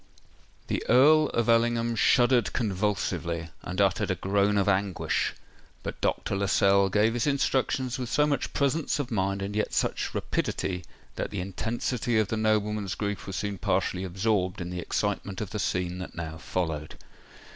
The Earl of Ellingham shuddered convulsively, and uttered a groan of anguish; but Dr. Lascelles gave his instructions with so much presence of mind and yet such rapidity, that the intensity of the nobleman's grief was soon partially absorbed in the excitement of the scene that now followed.